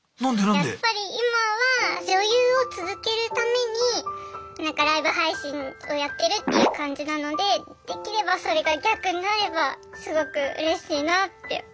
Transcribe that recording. やっぱり今は女優を続けるためにライブ配信をやってるっていう感じなのでできればそれが逆になればすごくうれしいなって。